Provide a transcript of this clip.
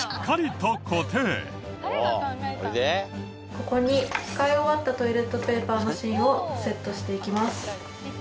ここに使い終わったトイレットペーパーの芯をセットしていきます。